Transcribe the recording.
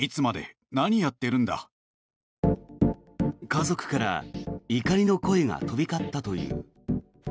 家族から怒りの声が飛び交ったという。